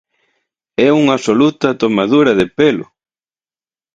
¡É unha absoluta tomadura de pelo!